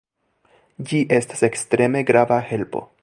Ĝi estas ekstreme grava helpo.